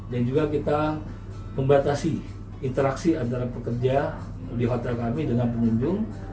dan juga kita membatasi interaksi antara pekerja di hotel kami dengan pengunjung